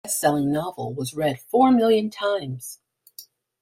The bestselling novel was read four million times.